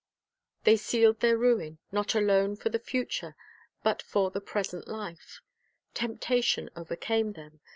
They sealed their ruin, not alone for the future but for the present life. Temptation overcame them.